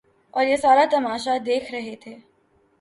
اوریہ سارا تماشہ دیکھ رہے تھے۔